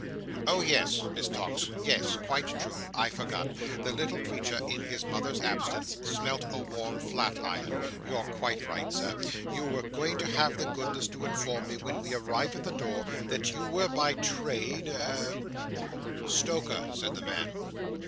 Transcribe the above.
"Oh yes," said Miss Tox. "Yes! quite true. I forgot. The little creature, in his mother's absence, smelt a warm flat iron. You're quite right, Sir. You were going to have the goodness to inform me, when we arrived at the door that you were by trade a—" "Stoker," said the man.